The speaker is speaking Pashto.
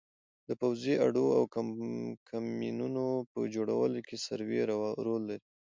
د پوځي اډو او کمینونو په جوړولو کې سروې رول لري